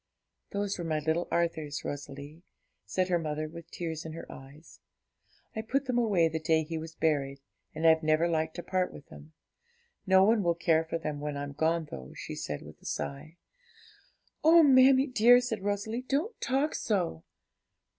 'Those were my little Arthur's, Rosalie,' said her mother, with tears in her eyes; 'I put them away the day he was buried, and I've never liked to part with them. No one will care for them when I'm gone, though,' said she, with a sigh. 'Oh, mammie dear,' said Rosalie, 'don't talk so!'